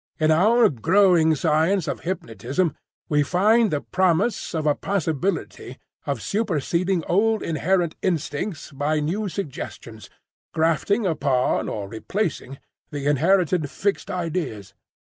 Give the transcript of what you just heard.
In our growing science of hypnotism we find the promise of a possibility of superseding old inherent instincts by new suggestions, grafting upon or replacing the inherited fixed ideas.